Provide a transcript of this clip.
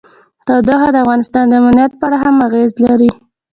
تودوخه د افغانستان د امنیت په اړه هم اغېز لري.